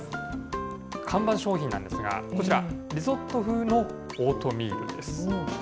看板商品なんですが、こちら、リゾット風のオートミールです。